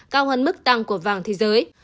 cao hơn mức tăng của vàng thế giới